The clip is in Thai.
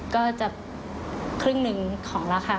ก็จะครึ่งหนึ่งของราคา